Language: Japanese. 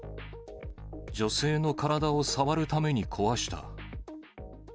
女性の体を触るために壊した。